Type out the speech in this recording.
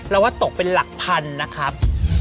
เราว่าตกเป็นหลักพันนะครับ